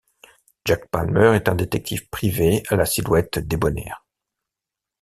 Jack Palmer est un détective privé à la silhouette débonnaire.